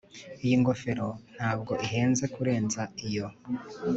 Iyi ngofero ntabwo ihenze kurenza iyo